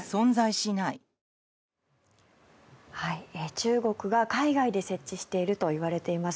中国が海外で設置しているといわれています